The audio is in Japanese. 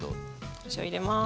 お塩入れます。